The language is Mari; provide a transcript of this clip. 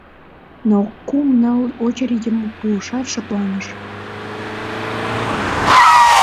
Но кум-ныл очередьым пуышат, шыпланыш.